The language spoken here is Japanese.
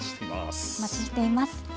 お待ちしています。